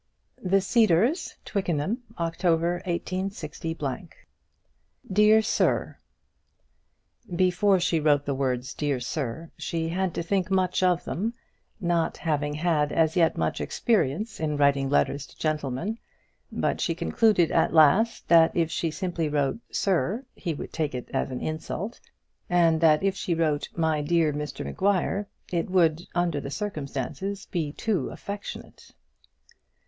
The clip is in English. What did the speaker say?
The Cedars, Twickenham, October, 186 . DEAR SIR Before she wrote the words, "Dear Sir," she had to think much of them, not having had as yet much experience in writing letters to gentlemen; but she concluded at last that if she simply wrote "Sir," he would take it as an insult, and that if she wrote "My dear Mr Maguire," it would, under the circumstances, be too affectionate.